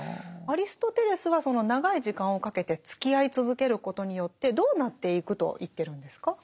アリストテレスはその長い時間をかけてつきあい続けることによってどうなっていくと言ってるんですか？